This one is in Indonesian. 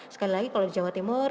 sekali lagi kalau di jawa timur